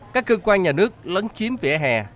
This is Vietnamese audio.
các cơ quan nhà nước lấn chiếm vỉa hè